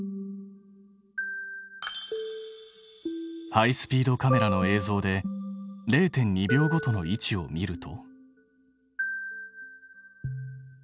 ハイスピードカメラの映像で０．２秒ごとの位置を見ると。